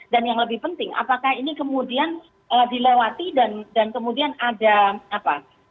dan yang lebih penting apakah ini kemudian dilewati dan kemudian ada apa